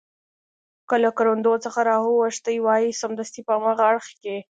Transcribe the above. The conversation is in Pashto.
که له کروندو څخه ور اوښتي وای، سمدستي په هاغه اړخ کې.